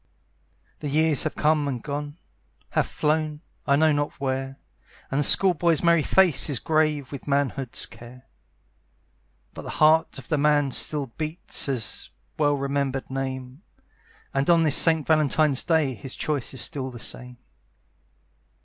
The years have come and gone, Have flown, I know not where, And the school boy's merry face Is grave with manhood's care; But the heart of the man still beats At the well remembered name, And on this St. Valentine's Day His choice is still the same.